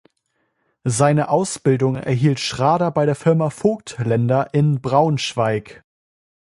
Seine Ausbildung erhielt Schrader bei der Firma Voigtländer in Braunschweig.